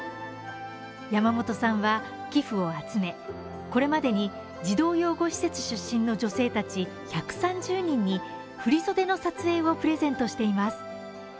山本さんは寄付を集め、これまでに児童養護施設出身の女性たち１３０人に振り袖の撮影をプレゼントしています。